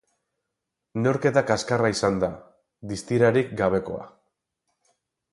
Neurketa kaskarra izan da, distirarik gabekoa.